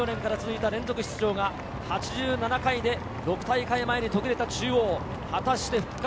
しかし大正１４年から続いた連続出場が８７回で６大会前前に途切れた中央。